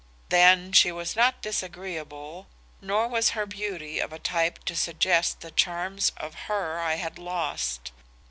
Then she was not disagreeable, nor was her beauty of a type to suggest the charms of her I had lost.